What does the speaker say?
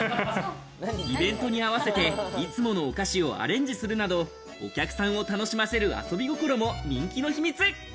イベントに合わせて、いつものお菓子をアレンジするなど、お客さんを楽しませる遊び心も人気の秘密。